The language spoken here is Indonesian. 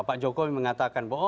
pak jokowi mengatakan bahwa